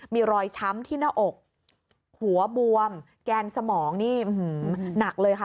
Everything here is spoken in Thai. มีรอยช้ำที่หน้าอกหัวบวมแกนสมองนี่หนักเลยค่ะ